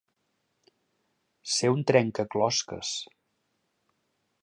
Ser un trencaclosques.